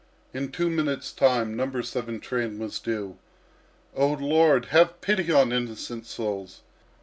In two minutes' time No. 7 train was due. "Oh, Lord! Have pity on innocent souls!"